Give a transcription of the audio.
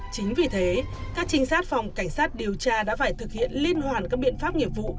chính vì thế các trinh sát phòng cảnh sát điều tra đã phải thực hiện liên lạc với công an